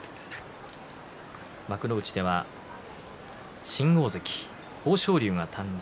幕内では新大関豊昇龍が誕生